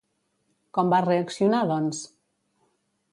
Com va reaccionar, doncs?